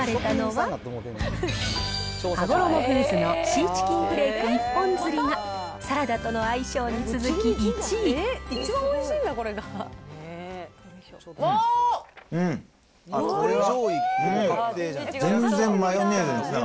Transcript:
はごろもフーズのシーチキンフレーク一本釣りが、サラダとの相性わー！